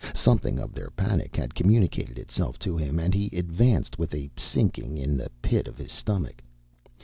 Something of their panic had communicated itself to him, and he advanced with a sinking at the pit of his stomach.